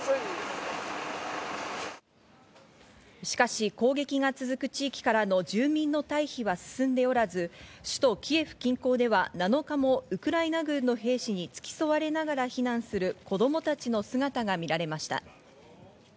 しかし攻撃が続く地域からの住民の退避は進んでおらず、首都キエフ近郊では７日もウクライナ軍の兵士につき添われながら避難する子供たちの姿が見られました。